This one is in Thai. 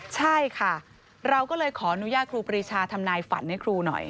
ใช่ค่ะเราก็เลยขออนุญาตครูปรีชาทำนายฝันให้ครูหน่อย